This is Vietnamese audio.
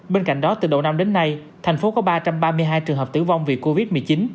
bên cạnh đó từ đầu năm đến nay thành phố có ba trăm ba mươi hai trường hợp tử vong vì covid một mươi chín